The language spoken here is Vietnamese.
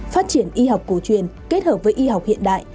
phát triển y học cổ truyền kết hợp với y học hiện đại